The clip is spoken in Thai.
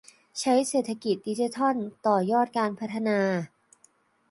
ใช้เศรษฐกิจดิจิทัลต่อยอดการพัฒนา